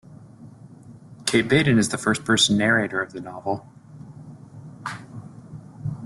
Kate Vaiden is the first person narrator of the novel.